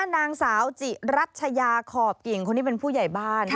นางสาวจิรัชยาขอบกิ่งคนนี้เป็นผู้ใหญ่บ้าน